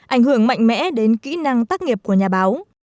ảnh hưởng mạnh mẽ đến kỹ năng tác nghiệp của nhà báo